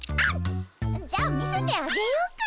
じゃあ見せてあげようかね。